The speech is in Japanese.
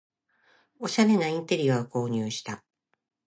おしゃれなインテリアを購入した